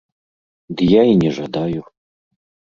Ды я і не жадаю.